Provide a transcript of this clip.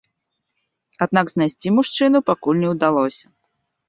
Аднак знайсці мужчыну пакуль не ўдалося.